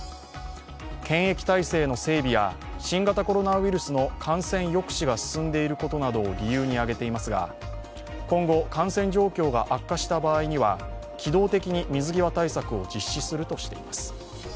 検疫体制の整備や新型コロナウイルスの感染抑止が進んでいることなどを理由に挙げていますが今後感染状況が悪化した場合には、機動的に水際対策を実施するとしています。